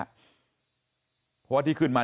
เพราะว่าที่ขึ้นมา